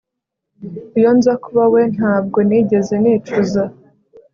iyo nza kuba we, ntabwo nigeze nicuza